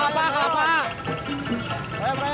kelapa kelapa kelapa